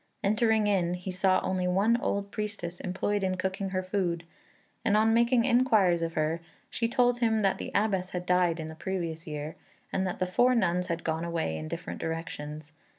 Entering in, he saw only one old priestess employed in cooking her food; and on making inquiries of her, she told him that the Abbess had died in the previous year, and that the four nuns had gone away in different directions.